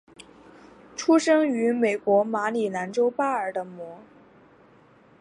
出生于美国马里兰州巴尔的摩。